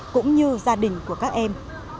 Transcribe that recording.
cũng như gia đình của các em